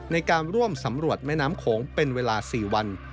ในการร่วมสำรวจแม่น้ำโขงเป็นเวลา๔วัน